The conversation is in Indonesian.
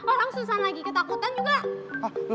orang susah lagi ketakutan juga